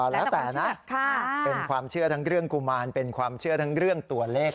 ละแต่นะเป็นความเชื่อเรื่องกุมารเป็นความเชื่อเรื่องตัวเล็ก